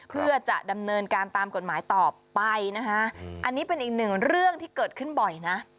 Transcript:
เพื่อจะดำเนินการตามกฎหมายต่อไปนะคะอันนี้เป็นอีกหนึ่งเรื่องที่เกิดขึ้นบ่อยนะ